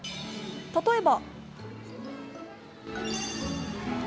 例えば。